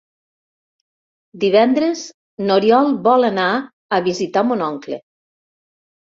Divendres n'Oriol vol anar a visitar mon oncle.